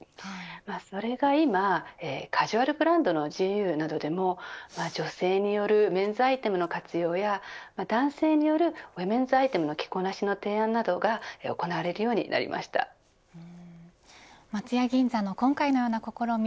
それが今カジュアルブランドのＧＵなどでも女性によるメンズアイテムの活用や男性によるウィメンズアイテムの着こなしの提案などが松屋銀座の今回のような試み